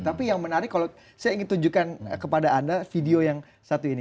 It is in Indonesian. tapi yang menarik kalau saya ingin tunjukkan kepada anda video yang satu ini